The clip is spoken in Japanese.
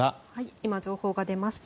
今、情報が出ました。